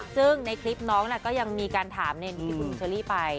ซึ่งในคลิปน้องก็ยังมีการถามที่คุณเชอรี่ไป